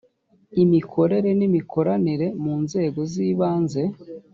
imikorere n imikoranire mu nzego z ibanze